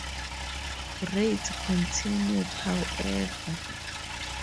Raids continued, however.